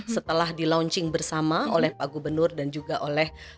setelah di launching bersama oleh pak gubernur dan juga oleh